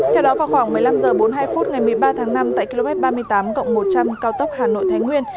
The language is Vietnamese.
theo đó vào khoảng một mươi năm h bốn mươi hai phút ngày một mươi ba tháng năm tại km ba mươi tám cộng một trăm linh cao tốc hà nội thái nguyên